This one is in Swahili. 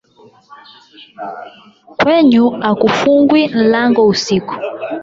Kwenyu hakufungwi nlango usiku.